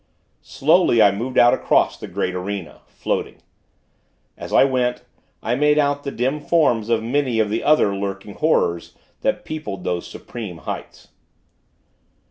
Slowly, I moved out across the great arena floating. As I went, I made out the dim forms of many of the other lurking Horrors that peopled those supreme heights.